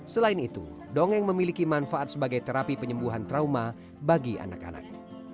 selain itu dongeng memiliki manfaat sebagai terapi penyembuhan trauma bagi anak anak